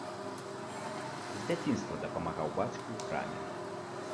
З дзяцінства дапамагаў бацьку ў храме.